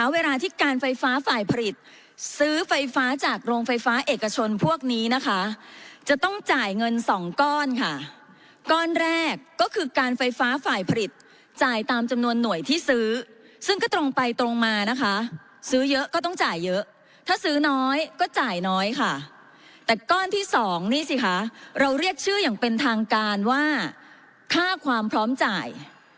เวลาที่การไฟฟ้าฝ่ายผลิตซื้อไฟฟ้าจากโรงไฟฟ้าเอกชนพวกนี้นะคะจะต้องจ่ายเงินสองก้อนค่ะก้อนแรกก็คือการไฟฟ้าฝ่ายผลิตจ่ายตามจำนวนหน่วยที่ซื้อซึ่งก็ตรงไปตรงมานะคะซื้อเยอะก็ต้องจ่ายเยอะถ้าซื้อน้อยก็จ่ายน้อยค่ะแต่ก้อนที่สองนี่สิคะเราเรียกชื่ออย่างเป็นทางการว่าค่าความพร้อมจ่าย